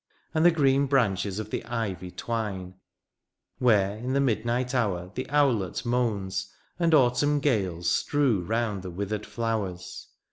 And the green branches of the ivy twine ; Where, in the midnight hour, the owlet moans, . And autumn gales strew round the withered flowers.